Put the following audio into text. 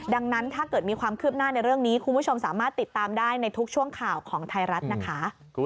ดังนั้นถ้าเกิดมีความคืบหน้าในเรื่องนี้คุณผู้ชมสามารถติดตามได้ในทุกช่วงข่าวของไทยรัฐนะคะ